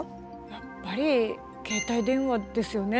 やっぱり携帯電話ですよね。